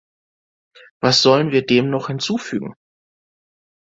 Was sollen wir dem noch hinzufügen?